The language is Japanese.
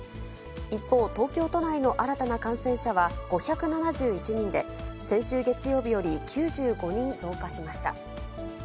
一方、東京都内の新たな感染者は５７１人で、先週月曜日より９５人増加しました。